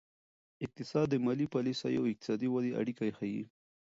اقتصاد د مالي پالیسیو او اقتصادي ودې اړیکه ښيي.